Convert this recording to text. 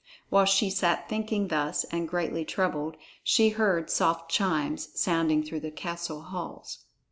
While she sat thinking thus, and greatly troubled, she heard soft chimes sounding through the castle halls.